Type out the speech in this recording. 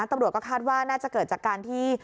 ตำรวจก็คาดว่าน่าจะเกิดจากการที่